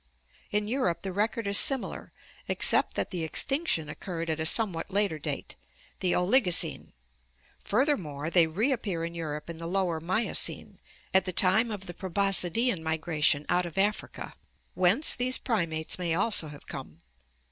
In Europe the record is similar except that the extinction occurred at a somewhat later date, the Oligocene. Furthermore, they re appear in Europe in the Lower Miocene, at the time of the probos cidean migration out of Africa, whence these primates may also THE EVOLUTION OF MAN 671 have come.